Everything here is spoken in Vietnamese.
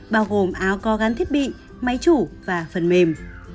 bao gồm áo có gắn thiết bị máy chủ và phần mềm